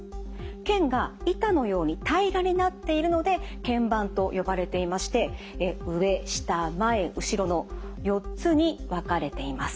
腱が板のように平らになっているのでけん板と呼ばれていまして上下前後ろの４つに分かれています。